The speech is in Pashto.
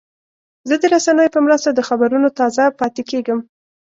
زه د رسنیو په مرسته د خبرونو تازه پاتې کېږم.